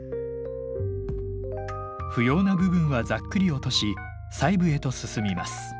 不要な部分はざっくり落とし細部へと進みます。